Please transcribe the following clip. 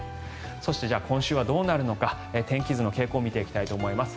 そして、今週はどうなるのか天気図の傾向を見ていきたいと思います。